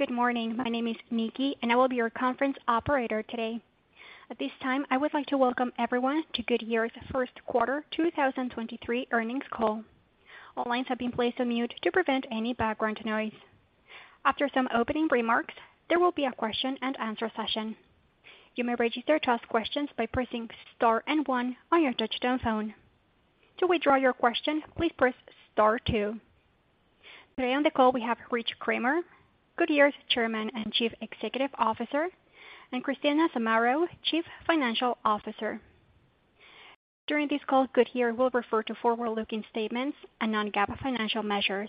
Good morning. My name is Nikki, and I will be your conference operator today. At this time, I would like to welcome everyone to Goodyear's first quarter 2023 earnings call. All lines have been placed on mute to prevent any background noise. After some opening remarks, there will be a question and answer session. You may register to ask questions by pressing star and 1 on your touchtone phone. To withdraw your question, please press star 2. Today on the call, we have Rich Kramer, Goodyear's Chairman and Chief Executive Officer, and Christina Zamarro, Chief Financial Officer. During this call, Goodyear will refer to forward-looking statements and non-GAAP financial measures.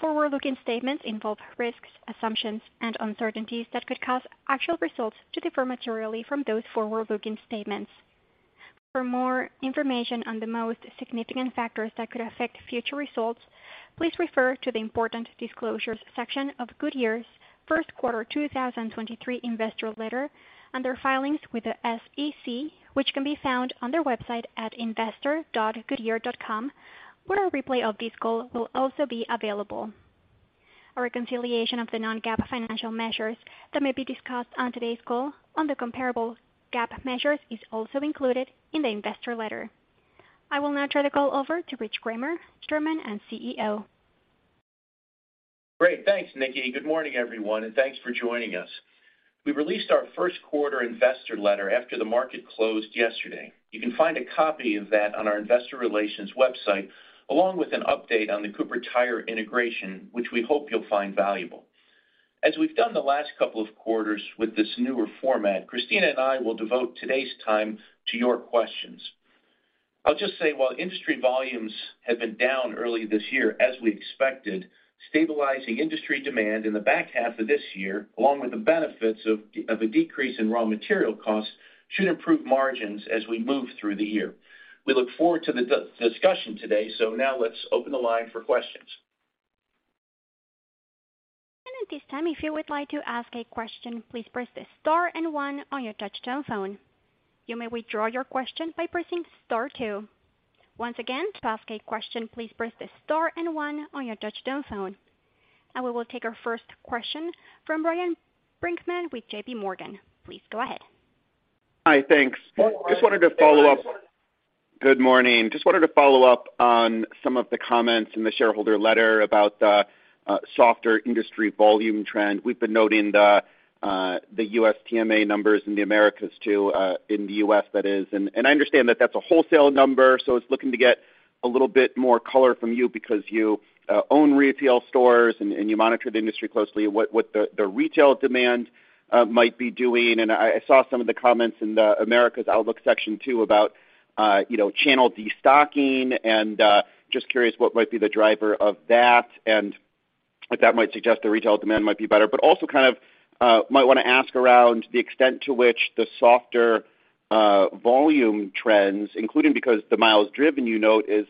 Forward-looking statements involve risks, assumptions, and uncertainties that could cause actual results to differ materially from those forward-looking statements. For more information on the most significant factors that could affect future results, please refer to the Important disclosures section of Goodyear's first quarter 2023 investor letter and their filings with the SEC, which can be found on their website at investor.goodyear.com, where a replay of this call will also be available. A reconciliation of the non-GAAP financial measures that may be discussed on today's call on the comparable GAAP measures is also included in the investor letter. I will now turn the call over to Rich Kramer, Chairman and CEO. Great. Thanks, Nikki. Good morning, everyone, thanks for joining us. We released our first quarter investor letter after the market closed yesterday. You can find a copy of that on our investor relations website, along with an update on the Cooper Tire integration, which we hope you'll find valuable. As we've done the last couple of quarters with this newer format, Christina and I will devote today's time to your questions. I'll just say, while industry volumes have been down early this year, as we expected, stabilizing industry demand in the back half of this year, along with the benefits of a decrease in raw material costs, should improve margins as we move through the year. We look forward to the discussion today. Now let's open the line for questions. At this time, if you would like to ask a question, please press star and one on your touchtone phone. You may withdraw your question by pressing star two. Once again, to ask a question, please press star and one on your touchtone phone. We will take our first question from Ryan Brinkman with JPMorgan. Please go ahead. Hi. Thanks. Just wanted to follow up. Good morning. Just wanted to follow up on some of the comments in the shareholder letter about the softer industry volume trend. We've been noting the U.S. TMA numbers in the Americas too, in the U.S. that is. I understand that that's a wholesale number, so I was looking to get a little bit more color from you because you own retail stores and you monitor the industry closely what the retail demand might be doing. I saw some of the comments in the Americas outlook section too about, you know, channel destocking and just curious what might be the driver of that and if that might suggest the retail demand might be better. Also kind of might wanna ask around the extent to which the softer volume trends, including because the miles driven you note is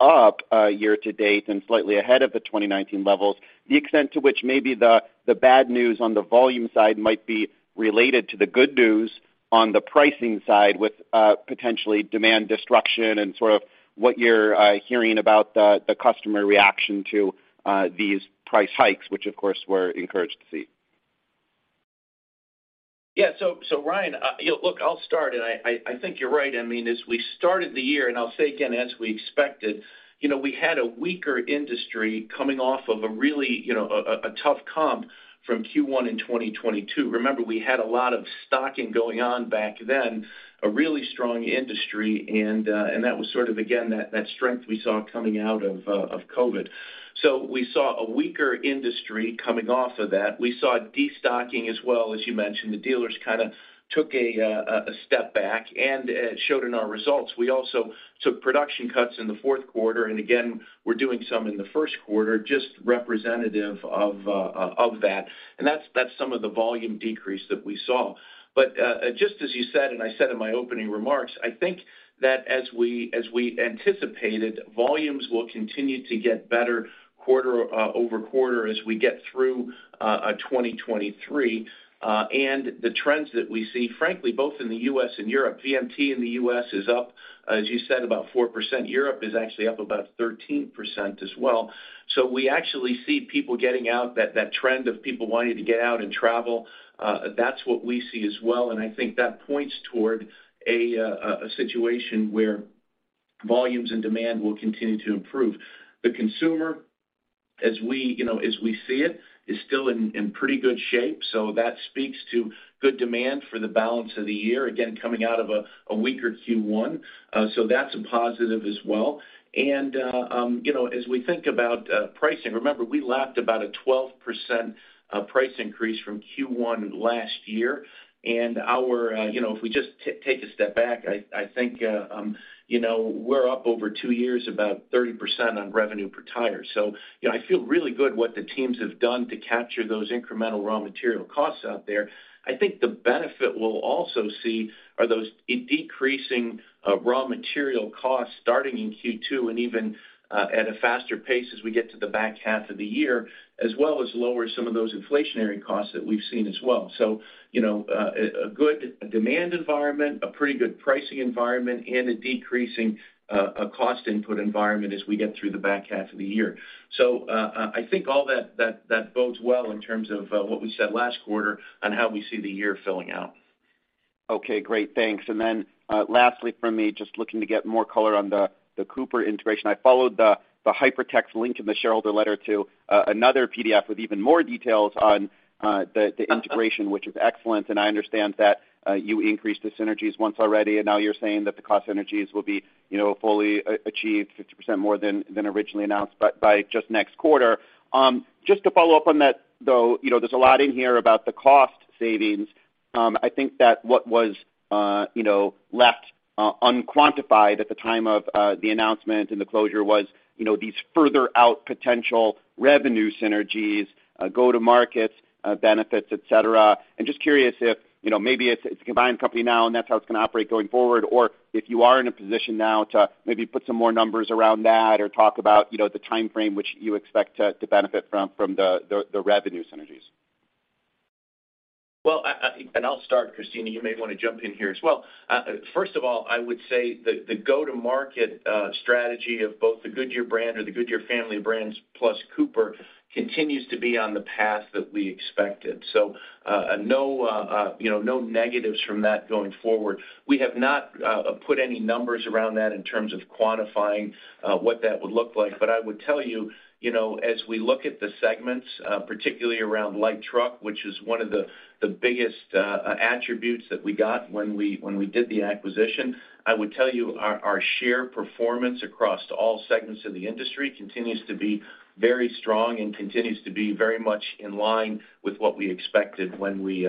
up year to date and slightly ahead of the 2019 levels, the extent to which maybe the bad news on the volume side might be related to the good news on the pricing side with potentially demand destruction and sort of what you're hearing about the customer reaction to these price hikes, which of course we're encouraged to see. Yeah. Ryan, you know, look, I'll start, and I think you're right. I mean, as we started the year, and I'll say again, as we expected, you know, we had a weaker industry coming off of a really, you know, a tough comp from Q1 in 2022. Remember we had a lot of stocking going on back then, a really strong industry and that was sort of again that strength we saw coming out of Covid. We saw a weaker industry coming off of that. We saw destocking as well. As you mentioned, the dealers kinda took a step back and it showed in our results. We also took production cuts in the fourth quarter, and again, we're doing some in the first quarter just representative of that. That's some of the volume decrease that we saw. Just as you said, and I said in my opening remarks, I think that as we anticipated, volumes will continue to get better quarter-over-quarter as we get through 2023. The trends that we see, frankly both in the U.S. and Europe, VMT in the U.S. is up, as you said, about 4%. Europe is actually up about 13% as well. We actually see people getting out, that trend of people wanting to get out and travel, that's what we see as well, and I think that points toward a situation where volumes and demand will continue to improve. The consumer, as we, you know, as we see it, is still in pretty good shape. That speaks to good demand for the balance of the year, again, coming out of a weaker Q1. That's a positive as well. You know, as we think about pricing, remember, we lapped about a 12% price increase from Q1 last year. You know, if we just take a step back, I think, you know, we're up over two years about 30% on revenue per tire. You know, I feel really good what the teams have done to capture those incremental raw material costs out there. I think the benefit we'll also see are those decreasing raw material costs starting in Q2 and even at a faster pace as we get to the back half of the year, as well as lower some of those inflationary costs that we've seen as well. You know, a good demand environment, a pretty good pricing environment and a decreasing cost input environment as we get through the back half of the year. I think all that bodes well in terms of what we said last quarter on how we see the year filling out. Okay, great. Thanks. Lastly from me, just looking to get more color on the Cooper integration. I followed the hypertext link in the shareholder letter to another PDF with even more details on the integration, which is excellent. I understand that you increased the synergies once already, and now you're saying that the cost synergies will be, you know, fully achieved 50% more than originally announced by just next quarter. Just to follow up on that, though, you know, there's a lot in here about the cost savings. I think that what was, you know, left unquantified at the time of the announcement and the closure was, you know, these further out potential revenue synergies, go to markets, benefits, et cetera. I'm just curious if, you know, maybe it's a combined company now, and that's how it's gonna operate going forward, or if you are in a position now to maybe put some more numbers around that or talk about, you know, the timeframe which you expect to benefit from the revenue synergies. Well, I'll start, Christina, you may wanna jump in here as well. First of all, I would say the go-to-market strategy of both the Goodyear brand or the Goodyear family of brands plus Cooper continues to be on the path that we expected. You know, no negatives from that going forward. We have not put any numbers around that in terms of quantifying what that would look like. I would tell you know, as we look at the segments, particularly around light truck, which is one of the biggest attributes that we got when we did the acquisition, I would tell you our share performance across all segments of the industry continues to be very strong and continues to be very much in line with what we expected when we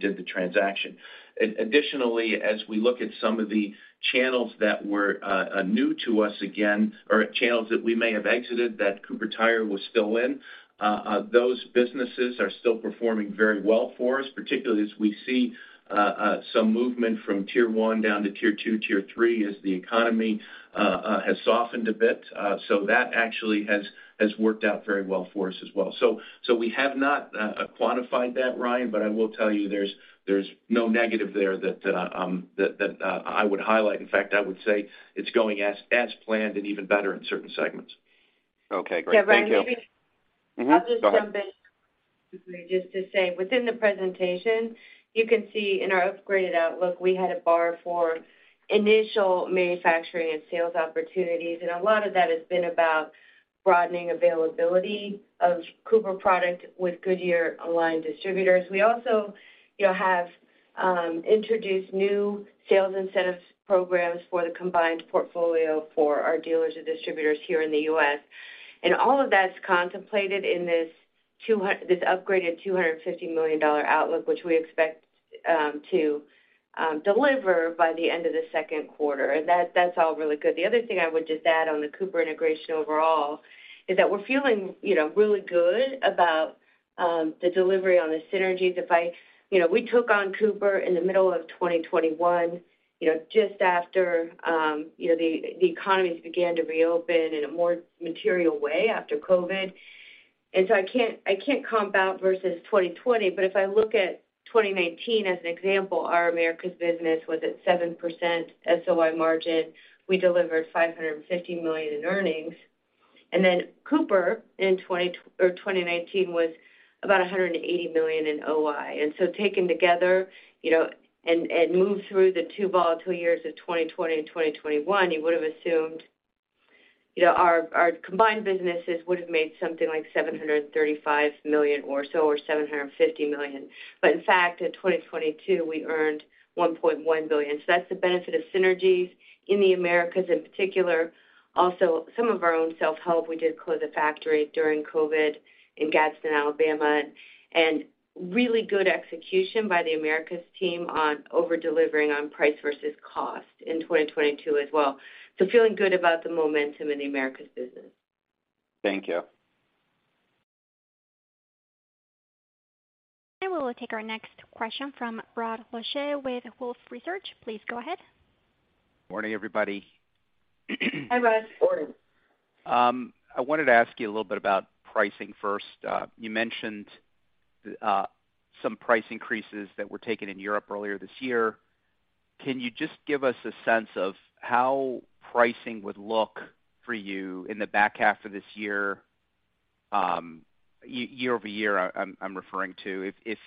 did the transaction. Additionally, as we look at some of the channels that were new to us again or channels that we may have exited that Cooper Tire was still in, those businesses are still performing very well for us, particularly as we see some movement from tier one down to tier two, tier three as the economy has softened a bit. That actually has worked out very well for us as well. We have not quantified that, Ryan, but I will tell you there's no negative there that I would highlight. In fact, I would say it's going as planned and even better in certain segments. Okay, great. Thank you. Yeah, Ryan. Mm-hmm. Go ahead. I'll just jump in quickly just to say within the presentation, you can see in our upgraded outlook, we had a bar for initial manufacturing and sales opportunities, and a lot of that has been about broadening availability of Cooper product with Goodyear aligned distributors. We also, you know, have introduced new sales incentive programs for the combined portfolio for our dealers and distributors here in the U.S. All of that's contemplated in this upgraded $250 million outlook, which we expect to deliver by the end of the second quarter. That's all really good. The other thing I would just add on the Cooper integration overall is that we're feeling, you know, really good about the delivery on the synergies. If I, you know, we took on Cooper in the middle of 2021, you know, just after, you know, the economies began to reopen in a more material way after COVID. I can't comp out versus 2020, but if I look at 2019 as an example, our Americas business was at 7% SOI margin. We delivered $550 million in earnings. Cooper in 2019 was about $180 million in OI. Taken together, you know, and moved through the two volatile years of 2020 and 2021, you would have assumed, you know, our combined businesses would have made something like $735 million or so, or $750 million. In fact, in 2022, we earned $1.1 billion. That's the benefit of synergies in the Americas in particular. Also, some of our own self-help, we did close a factory during COVID in Gadsden, Alabama, and really good execution by the Americas team on over-delivering on price versus cost in 2022 as well. Feeling good about the momentum in the Americas business. Thank you. We'll take our next question from Rod Lache with Wolfe Research. Please go ahead. Morning, everybody. Hi, Rod. Morning. I wanted to ask you a little bit about pricing first. You mentioned some price increases that were taken in Europe earlier this year. Can you just give us a sense of how pricing would look for you in the back half of this year-over-year, I'm referring to. If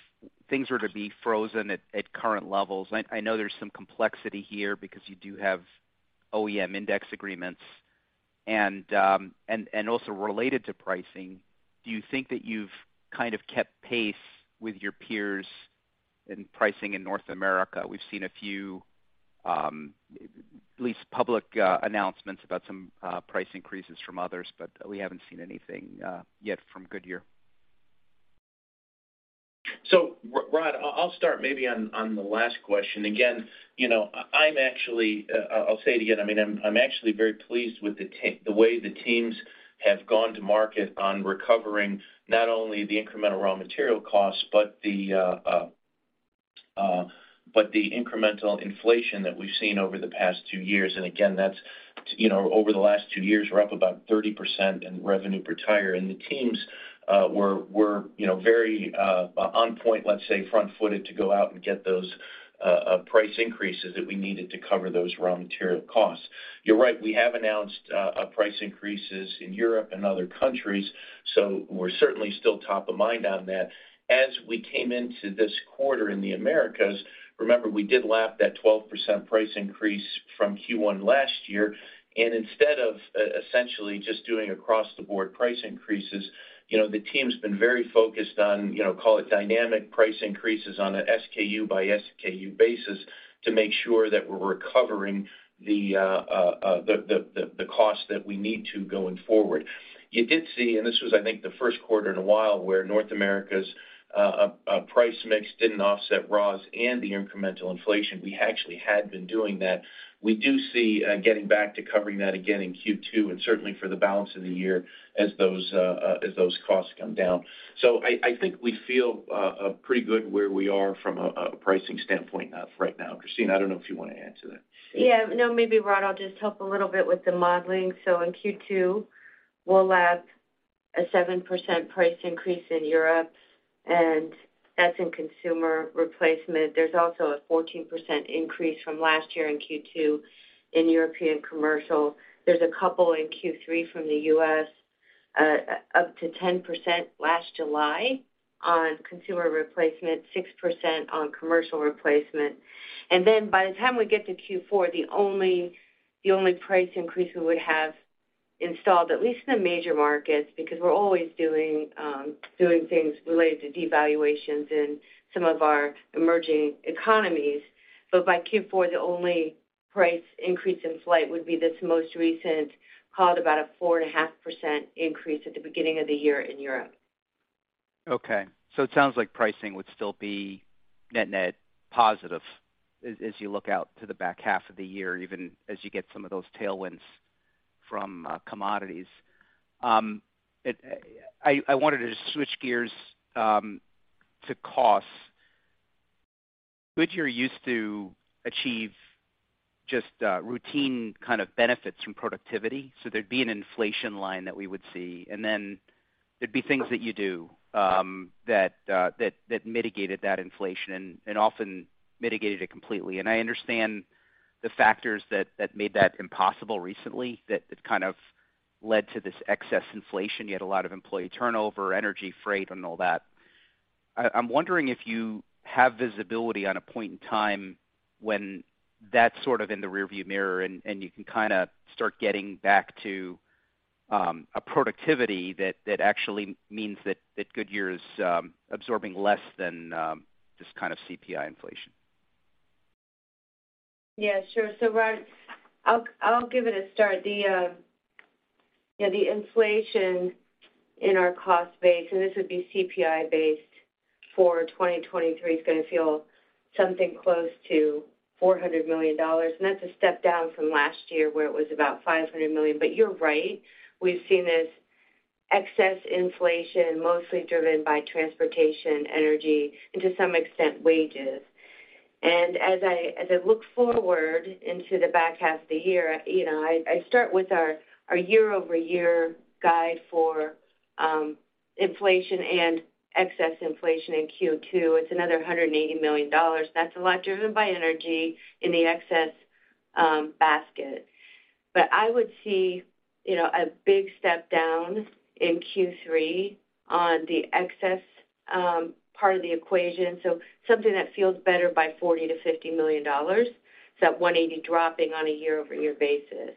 things were to be frozen at current levels. I know there's some complexity here because you do have OEM index agreements. Also related to pricing, do you think that you've kind of kept pace with your peers in pricing in North America? We've seen a few, at least public, announcements about some price increases from others, we haven't seen anything yet from Goodyear. Rod, I'll start maybe on the last question. Again, you know, I'll say it again. I mean, I'm actually very pleased with the way the teams have gone to market on recovering not only the incremental raw material costs, but the incremental inflation that we've seen over the past two years, and again, that's, you know, over the last two years, we're up about 30% in revenue per tire. The teams, you know, were very on point, let's say, front-footed to go out and get those price increases that we needed to cover those raw material costs. You're right, we have announced price increases in Europe and other countries, we're certainly still top of mind on that. As we came into this quarter in the Americas, remember we did lap that 12% price increase from Q1 last year. Instead of essentially just doing across the board price increases, you know, the team's been very focused on, you know, call it dynamic price increases on a SKU by SKU basis to make sure that we're recovering the cost that we need to going forward. You did see. This was, I think, the first quarter in a while, where North America's price mix didn't offset raws and the incremental inflation. We actually had been doing that. We do see getting back to covering that again in Q2 and certainly for the balance of the year as those as those costs come down. I think we feel pretty good where we are from a pricing standpoint right now. Christine, I don't know if you wanna add to that? Maybe, Rod Lache, I'll just help a little bit with the modeling. In Q2, we'll lap a 7% price increase in Europe, and that's in consumer replacement. There's also a 14% increase from last year in Q2 in European commercial. There's a couple in Q3 from the U.S., up to 10% last July on consumer replacement, 6% on commercial replacement. By the time we get to Q4, the only price increase we would have installed, at least in the major markets, because we're always doing things related to devaluations in some of our emerging economies. By Q4, the only price increase in flight would be this most recent, called about a 4.5% increase at the beginning of the year in Europe. Okay. It sounds like pricing would still be net-net positive as you look out to the back half of the year, even as you get some of those tailwinds from commodities. I wanted to switch gears to costs. Goodyear used to achieve just routine kind of benefits from productivity, so there'd be an inflation line that we would see, and then there'd be things that you do that mitigated that inflation and often mitigated it completely. I understand the factors that made that impossible recently, that it kind of led to this excess inflation. You had a lot of employee turnover, energy, freight and all that. I'm wondering if you have visibility on a point in time when that's sort of in the rearview mirror and you can kinda start getting back to a productivity that actually means that Goodyear is absorbing less than this kind of CPI inflation. Rod, I'll give it a start. The, you know, the inflation in our cost base, and this would be CPI-based, for 2023 is gonna feel something close to $400 million, and that's a step down from last year, where it was about $500 million. You're right, we've seen this excess inflation mostly driven by transportation, energy and to some extent, wages. As I look forward into the back half of the year, you know, I start with our year-over-year guide for inflation and excess inflation in Q2. It's another $180 million. That's a lot driven by energy in the excess basket. I would see, you know, a big step down in Q3 on the excess part of the equation. Something that feels better by $40 million-$50 million, so that $180 dropping on a year-over-year basis.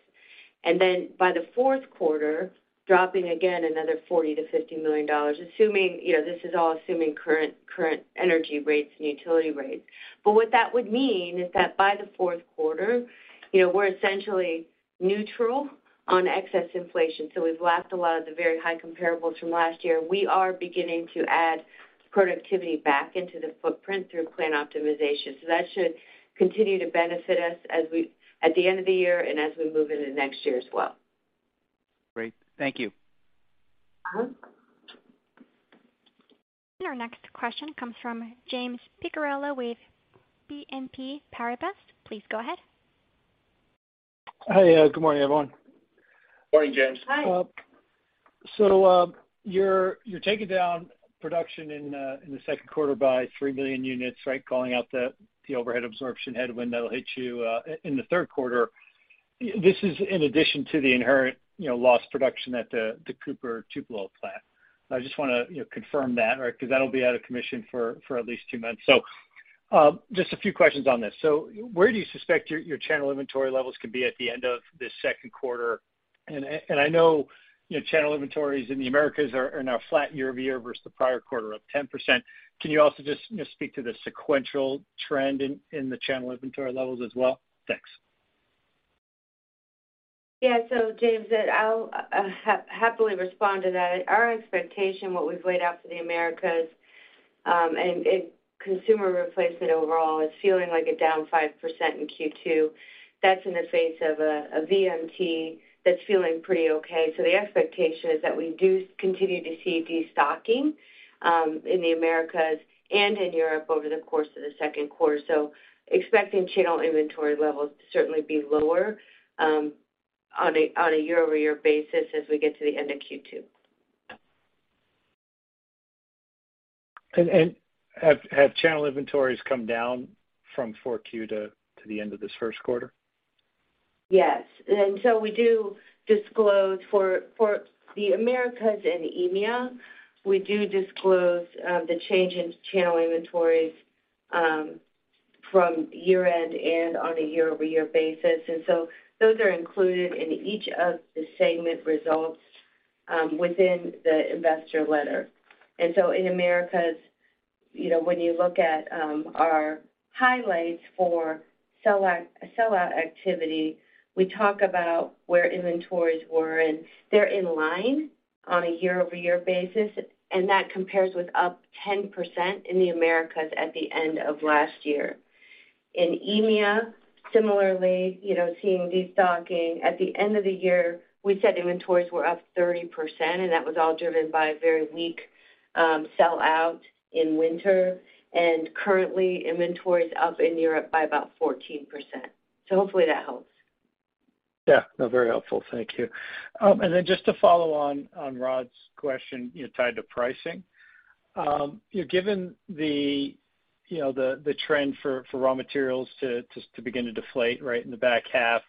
Then by the fourth quarter, dropping again another $40 million-$50 million, assuming, you know, this is all assuming current energy rates and utility rates. What that would mean is that by the fourth quarter, you know, we're essentially neutral on excess inflation, so we've lapped a lot of the very high comparables from last year. We are beginning to add productivity back into the footprint through plan optimization, so that should continue to benefit us as we at the end of the year and as we move into next year as well. Great. Thank you. Uh-huh. Our next question comes from James Picariello with BNP Paribas. Please go ahead. Hi. Good morning, everyone. Morning, James. Hi. You're taking down production in the second quarter by three million units, right? Calling out the overhead absorption headwind that'll hit you in the third quarter. This is in addition to the inherent, you know, lost production at the Cooper Tupelo plant. I just wanna, you know, confirm that, right? Because that'll be out of commission for at least two months. Just a few questions on this. Where do you suspect your channel inventory levels could be at the end of this second quarter? I know, you know, channel inventories in the Americas are now flat year-over-year versus the prior quarter, up 10%. Can you also just speak to the sequential trend in the channel inventory levels as well? Thanks. Yeah. James, I'll happily respond to that. Our expectation, what we've laid out for the Americas, and consumer replacement overall is feeling like a down 5% in Q2. That's in the face of a VMT that's feeling pretty okay. The expectation is that we do continue to see destocking in the Americas and in Europe over the course of the second quarter. Expecting channel inventory levels to certainly be lower on a year-over-year basis as we get to the end of Q2. Have channel inventories come down from 4Q to the end of this first quarter? Yes. We do disclose for the Americas and EMEA, we do disclose the change in channel inventories from year-end and on a year-over-year basis. Those are included in each of the segment results within the investor letter. In Americas, you know, when you look at our highlights for sell out activity, we talk about where inventories were, and they're in line on a year-over-year basis, and that compares with up 10% in the Americas at the end of last year. In EMEA, similarly, you know, seeing destocking. At the end of the year, we said inventories were up 30%, and that was all driven by a very weak sell out in winter. Currently inventories up in Europe by about 14%. Hopefully that helps. Yeah. No, very helpful. Thank you. Just to follow on Rod's question, you know, tied to pricing. Given the, you know, the trend for raw materials to begin to deflate right in the back half,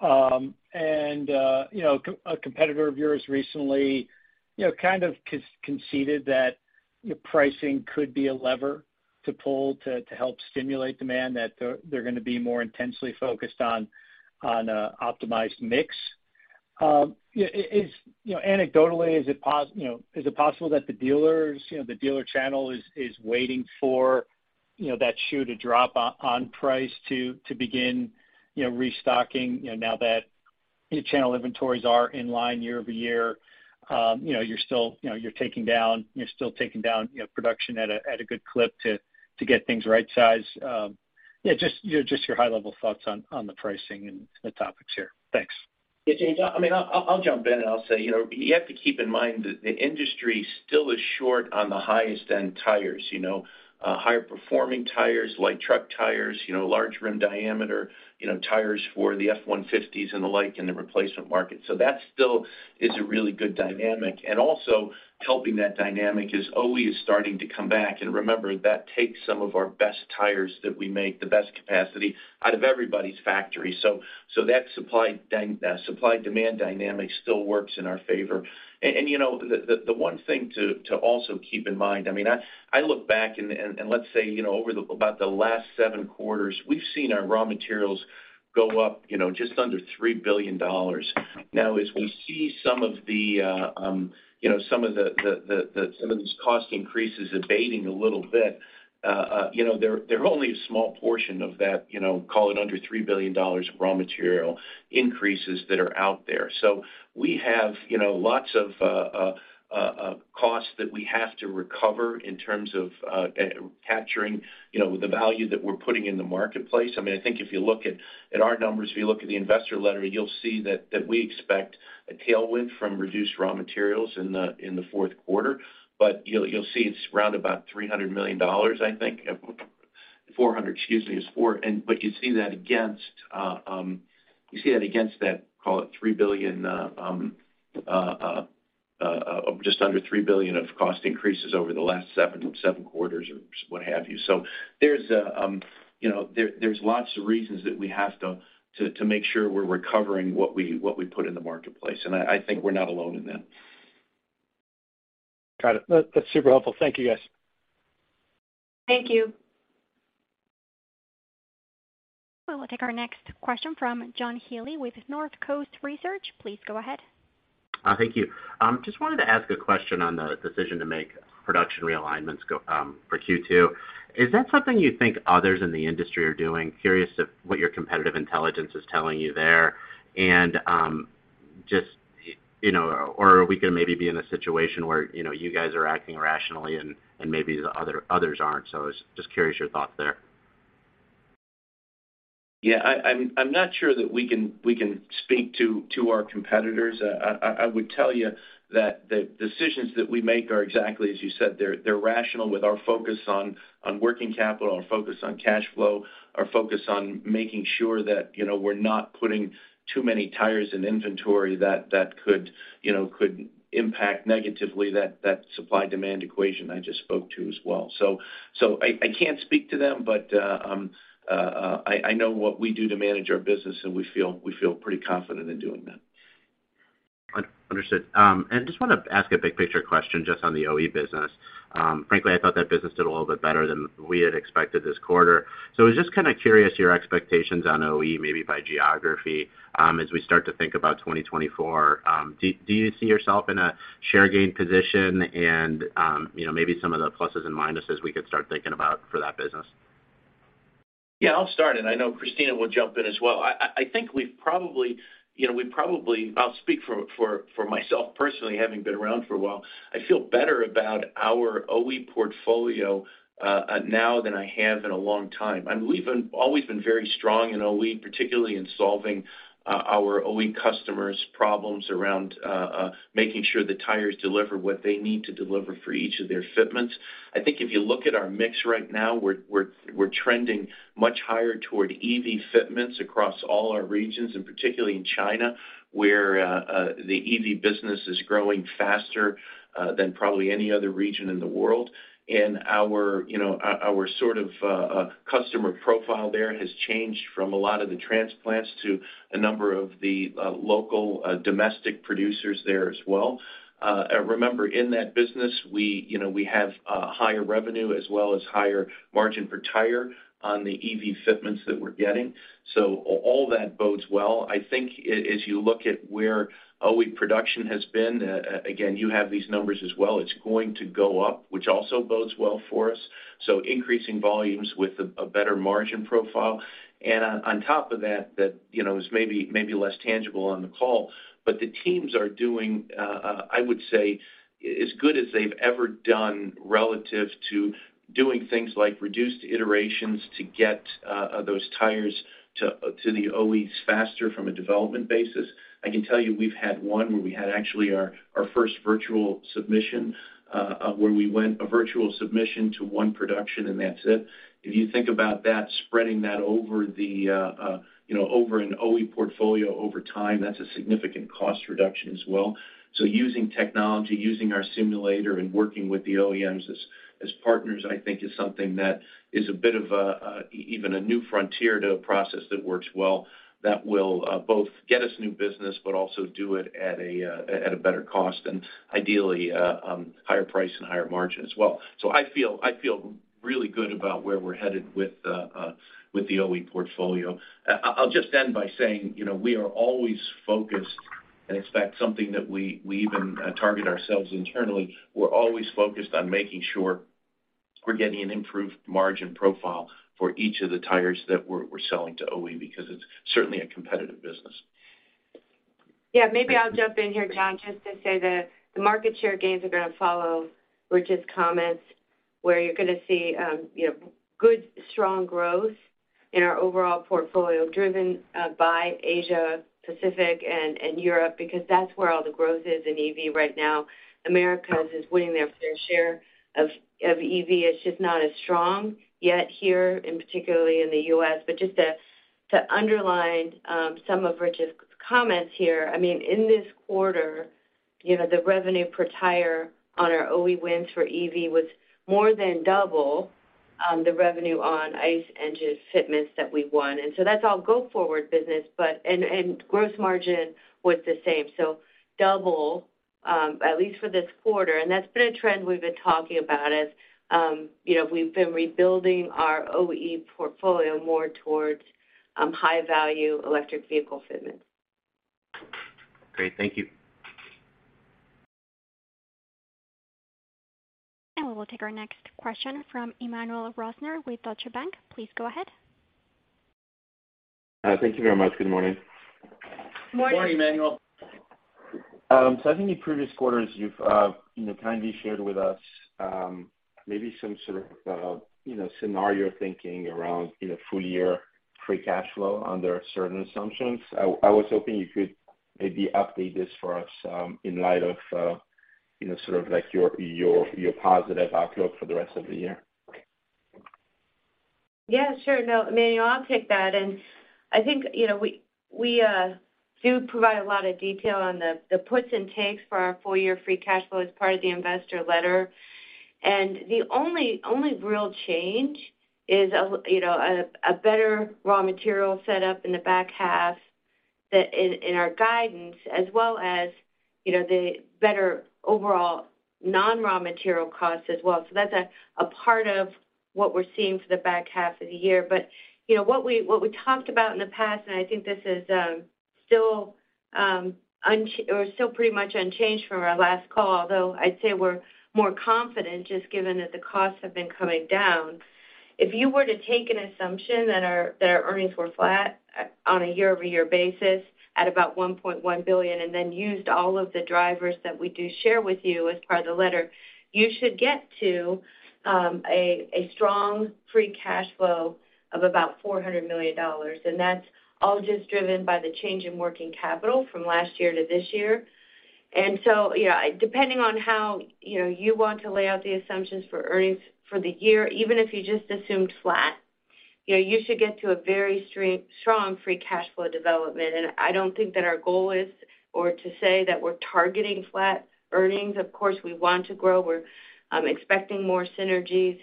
and a competitor of yours recently, you know, kind of conceded that your pricing could be a lever to pull to help stimulate demand, that they're gonna be more intensely focused on a optimized mix. Anecdotally, is it possible that the dealers, you know, the dealer channel is waiting for, you know, that shoe to drop on price to begin, you know, restocking, you know, now that your channel inventories are in line year-over-year? You're still... You know, you're still taking down, you know, production at a good clip to get things right-size. Yeah, just, you know, just your high level thoughts on the pricing and the topics here. Thanks. Yeah, James, I mean I'll jump in and I'll say, you know, you have to keep in mind that the industry still is short on the highest end tires, you know? Higher performing tires, light truck tires, you know, large rim diameter, you know, tires for the F-150s and the like in the replacement market. That still is a really good dynamic. Also helping that dynamic is OE is starting to come back. Remember, that takes some of our best tires that we make, the best capacity out of everybody's factory. That supply demand dynamic still works in our favor. You know, the one thing to also keep in mind, I mean, I look back and let's say, you know, about the last seven quarters, we've seen our raw materials go up, you know, just under $3 billion. As we see some of the, you know, some of these cost increases abating a little bit, you know, they're only a small portion of that, you know, call it under $3 billion of raw material increases that are out there. We have, you know, lots of costs that we have to recover in terms of capturing, you know, the value that we're putting in the marketplace. I mean, I think if you look at our numbers, if you look at the investor letter, you'll see that we expect a tailwind from reduced raw materials in the fourth quarter. You'll see it's around about $300 million, I think. $400 million, excuse me, is 4. You see that against that, call it $3 billion, just under $3 billion of cost increases over the last seven quarters or what have you. There's, you know, there's lots of reasons that we have to make sure we're recovering what we put in the marketplace, and I think we're not alone in that. Got it. That's super helpful. Thank you, guys. Thank you. We'll take our next question from John Healy with Northcoast Research. Please go ahead. Thank you. Just wanted to ask a question on the decision to make production realignments go for Q2. Is that something you think others in the industry are doing? Curious if what your competitive intelligence is telling you there. Just, you know, or are we gonna maybe be in a situation where, you know, you guys are acting rationally and maybe the others aren't? I was just curious your thoughts there. Yeah. I'm not sure that we can speak to our competitors. I would tell you that the decisions that we make are exactly as you said. They're rational with our focus on working capital, our focus on cash flow, our focus on making sure that, you know, we're not putting too many tires in inventory that could, you know, could impact negatively that supply demand equation I just spoke to as well. I can't speak to them, but I know what we do to manage our business, and we feel pretty confident in doing that. Just wanna ask a big picture question just on the OE business. Frankly, I thought that business did a little bit better than we had expected this quarter. I was just kind of curious your expectations on OE, maybe by geography, as we start to think about 2024. Do you see yourself in a share gain position? You know, maybe some of the pluses and minuses we could start thinking about for that business. Yeah, I'll start, and I know Christina will jump in as well. I think we've probably, you know, I'll speak for myself personally, having been around for a while. I feel better about our OE portfolio, now than I have in a long time. I believe and always been very strong in OE, particularly in solving our OE customers problems around making sure the tires deliver what they need to deliver for each of their fitments. I think if you look at our mix right now, we're trending much higher toward EV fitments across all our regions, and particularly in China, where the EV business is growing faster than probably any other region in the world. Our, you know, our sort of, customer profile there has changed from a lot of the transplants to a number of the, local domestic producers there as well. Remember, in that business, we, you know, we have, higher revenue as well as higher margin per tire on the EV fitments that we're getting. All that bodes well. I think as you look at where OE production has been, again, you have these numbers as well, it's going to go up, which also bodes well for us, so increasing volumes with a better margin profile. On top of that, you know, is maybe less tangible on the call, but the teams are doing, I would say as good as they've ever done relative to doing things like reduced iterations to get those tires to the OEs faster from a development basis. I can tell you we've had one where we had actually our first virtual submission, where we went a virtual submission to one production and that's it. If you think about that, spreading that over the, you know, over an OE portfolio over time, that's a significant cost reduction as well. Using technology, using our simulator and working with the OEMs as partners, I think is something that is a bit of even a new frontier to a process that works well, that will both get us new business but also do it at a better cost and ideally higher price and higher margin as well. I feel really good about where we're headed with the OE portfolio. I'll just end by saying, you know, we are always focused and expect something that we even target ourselves internally. We're always focused on making sure we're getting an improved margin profile for each of the tires that we're selling to OE, because it's certainly a competitive business. Yeah, maybe I'll jump in here, John, just to say that the market share gains are going to follow Rich's comments, where you're going to see good strong growth in our overall portfolio driven by Asia, Pacific and Europe, because that's where all the growth is in EV right now. Americas is winning their fair share of EV. It's just not as strong yet here and particularly in the U.S. Just to underline some of Rich's comments here. I mean, in this quarter, you know, the revenue per tire on our OE wins for EV was more than double the revenue on ICE engines fitments that we won. That's all go forward business. And gross margin was the same. Double, at least for this quarter. That's been a trend we've been talking about as, you know, we've been rebuilding our OE portfolio more towards high value electric vehicle fitment. Great. Thank you. We'll take our next question from Emmanuel Rosner with Deutsche Bank. Please go ahead. Thank you very much. Good morning. Morning. Morning, Emmanuel. I think in previous quarters you've, you know, kindly shared with us, maybe some sort of, you know, scenario thinking around, you know, full year free cash flow under certain assumptions. I was hoping you could maybe update this for us, in light of, you know, sort of like your positive outlook for the rest of the year. Yeah, sure. No, Emmanuel, I'll take that. I think, you know, we do provide a lot of detail on the puts and takes for our full year free cash flow as part of the investor letter. The only real change is a, you know, a better raw material set up in the back half that in our guidance as well as, you know, the better overall non-raw material costs as well. That's a part of what we're seeing for the back half of the year. You know, what we talked about in the past, and I think this is still pretty much unchanged from our last call, although I'd say we're more confident just given that the costs have been coming down. If you were to take an assumption that our earnings were flat on a year-over-year basis at about $1.1 billion, then used all of the drivers that we do share with you as part of the letter, you should get to a strong free cash flow of about $400 million. That's all just driven by the change in working capital from last year to this year. So, you know, depending on how, you know, you want to lay out the assumptions for earnings for the year, even if you just assumed flat, you know, you should get to a very strong free cash flow development. I don't think that our goal is or to say that we're targeting flat earnings. Of course, we want to grow. We're expecting more synergies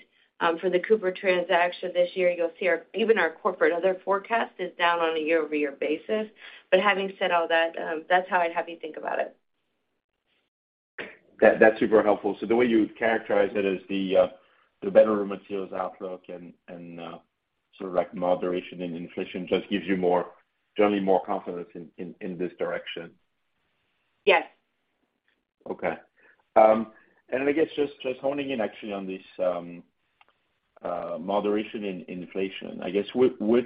for the Cooper transaction this year. You'll see even our corporate other forecast is down on a year-over-year basis. Having said all that's how I'd have you think about it. That's super helpful. The way you characterized it is the better materials outlook and, sort of like moderation in inflation just gives you more, generally more confidence in this direction. Yes. Okay. I guess just honing in actually on this, moderation in inflation. I guess which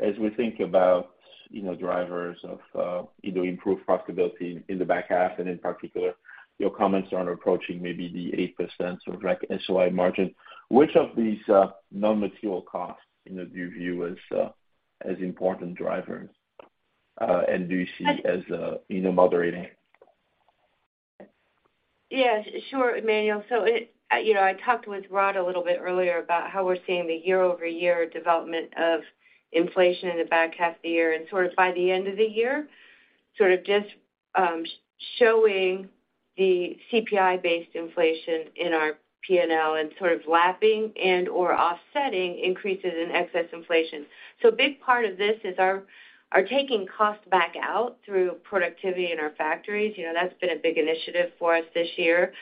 as we think about, you know, drivers of, you know, improved profitability in the back half, in particular, your comments on approaching maybe the 8% sort of like SOI margin. Which of these, non-material costs, you know, do you view as important drivers, and do you see as, you know, moderating? Yeah, sure, Emmanuel. You know, I talked with Rod a little bit earlier about how we're seeing the year-over-year development of inflation in the back half of the year, and sort of by the end of the year, sort of just showing the CPI-based inflation in our P&L and sort of lapping and/or offsetting increases in excess inflation. A big part of this is our taking costs back out through productivity in our factories. You know, that's been a big initiative for us this year.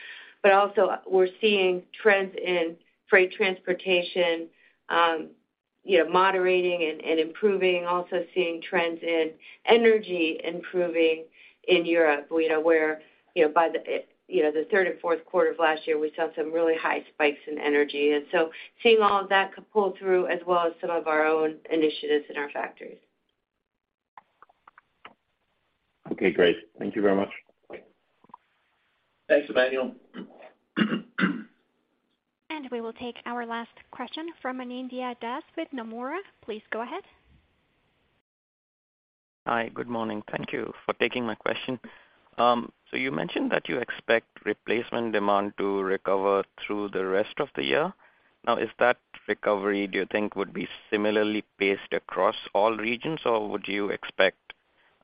Also we're seeing trends in freight transportation, you know, moderating and improving. Also seeing trends in energy improving in Europe, you know, where, you know, by the, you know, the third and fourth quarter of last year we saw some really high spikes in energy. Seeing all of that pull through as well as some of our own initiatives in our factories. Okay, great. Thank you very much. Thanks, Emmanuel. We will take our last question from Anindya Das with Nomura. Please go ahead. Hi. Good morning. Thank you for taking my question. You mentioned that you expect replacement demand to recover through the rest of the year. Now, is that recovery, do you think would be similarly paced across all regions, or would you expect,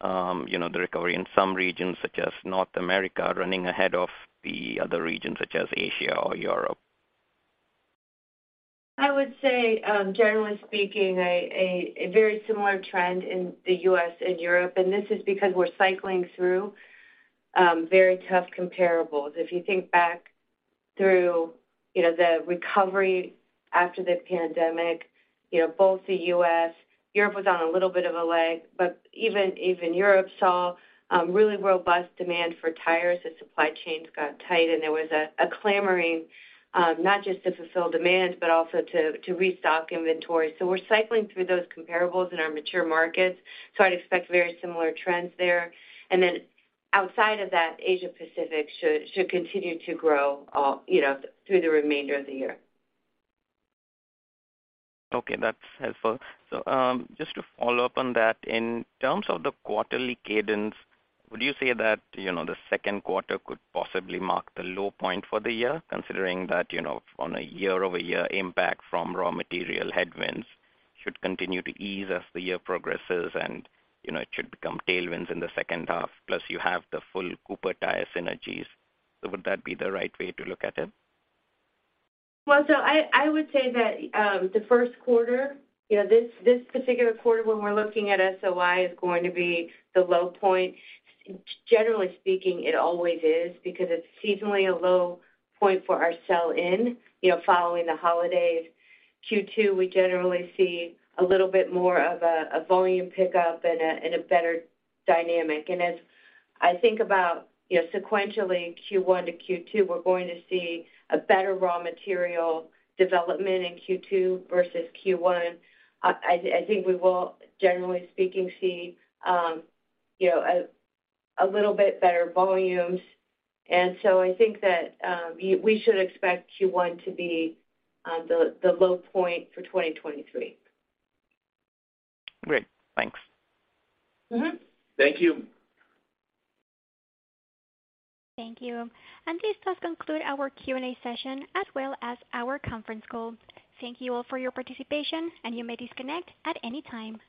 you know, the recovery in some regions such as North America running ahead of the other regions such as Asia or Europe? I would say, generally speaking, a very similar trend in the U.S. and Europe. This is because we're cycling through very tough comparables. If you think back through, you know, the recovery after the pandemic, you know, both the U.S., Europe was on a little bit of a lag, but even Europe saw really robust demand for tires as supply chains got tight and there was a clamoring not just to fulfill demand, but also to restock inventory. We're cycling through those comparables in our mature markets, so I'd expect very similar trends there. Outside of that, Asia Pacific should continue to grow, you know, through the remainder of the year. That's helpful. Just to follow up on that. In terms of the quarterly cadence, would you say that, you know, the second quarter could possibly mark the low point for the year, considering that, you know, on a year-over-year impact from raw material headwinds should continue to ease as the year progresses and, you know, it should become tailwinds in the second half, plus you have the full Cooper Tire synergies. Would that be the right way to look at it? Well, I would say that the first quarter, you know, this particular quarter when we're looking at SOI is going to be the low point. Generally speaking, it always is because it's seasonally a low point for our sell in. You know, following the holidays. Q2, we generally see a little bit more of a volume pickup and a better dynamic. As I think about, you know, sequentially Q1 to Q2, we're going to see a better raw material development in Q2 versus Q1. I think we will, generally speaking, see, you know, a little bit better volumes. I think that we should expect Q1 to be the low point for 2023. Great. Thanks. Mm-hmm. Thank you. Thank you. This does conclude our Q&A session as well as our conference call. Thank you all for your participation, and you may disconnect at any time.